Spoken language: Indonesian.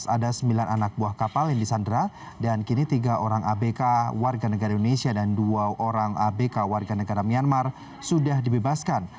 ada sembilan anak buah kapal yang disandra dan kini tiga orang abk warga negara indonesia dan dua orang abk warga negara myanmar sudah dibebaskan